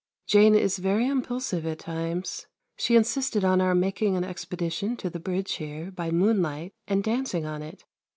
Jane is very impulsive at times. She insisted on our making an expedition to the Bridge here, by moonlight, and dancing on it.